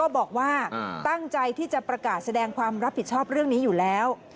บอกว่าตั้งใจที่จะประกาศแสดงความรับผิดชอบเรื่องนี้อยู่แล้ว